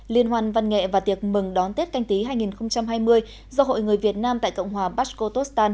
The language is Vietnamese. liên hoàn văn nghệ và tiệc mừng đón tết canh tí hai nghìn hai mươi do hội người việt nam tại cộng hòa pashkotostan